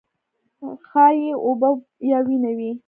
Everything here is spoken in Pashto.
ښايي اوبه یا وینه وي.